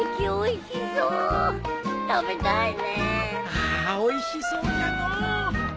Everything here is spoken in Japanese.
ああおいしそうじゃのう。